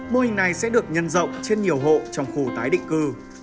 mô hình này sẽ được nhân rộng trên nhiều hộ trong khu tái định cư